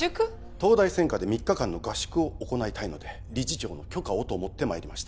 東大専科で３日間の合宿を行いたいので理事長の許可をと思って参りました